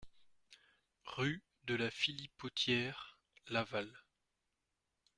Rue de la Philipotière, Laval